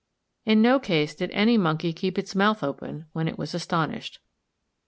In no case did any monkey keep its mouth open when it was astonished.